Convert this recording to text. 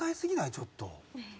ちょっと。